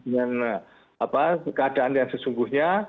dengan keadaan yang sesungguhnya